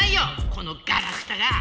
このガラクタが！